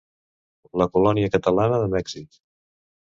La colònia catalana de Mèxic.